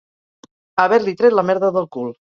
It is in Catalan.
Haver-li tret la merda del cul.